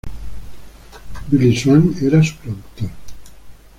Billy Swan era su productor.